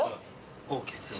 ＯＫです。